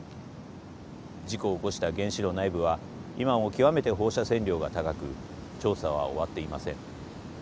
事故を起こした原子炉内部は今も極めて放射線量が高く調査は終わっていません。